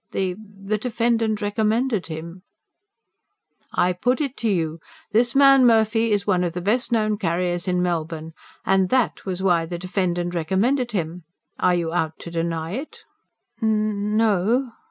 "The ... the defendant recommended him." "I put it to you, this man Murphy was one of the best known carriers in Melbourne, and THAT was why the defendant recommended him are you out to deny it?" "N ... n ... no."